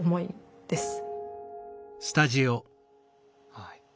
はい。